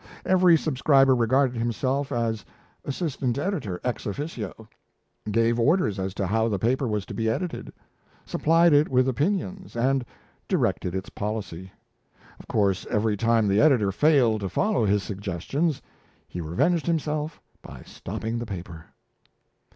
Every subscriber regarded himself as assistant editor, ex officio; gave orders as to how the paper was to be edited, supplied it with opinions, and directed its policy. Of course, every time the editor failed to follow his suggestions, he revenged himself by stopping the paper!